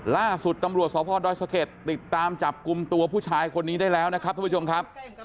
ล่าสุดตำรวจสพดอยสะเก็ดติดตามจับกลุ่มตัวผู้ชายคนนี้ได้แล้วนะครับท่านผู้ชมครับ